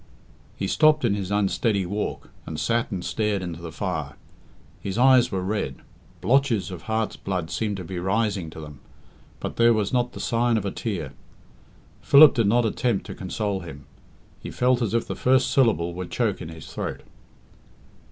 He stopped in his unsteady walk, and sat and stared into the fire. His eyes were red; blotches of heart's blood seemed to be rising to them; but there was not the sign of a tear. Philip did not attempt to console him. He felt as if the first syllable would choke in his throat.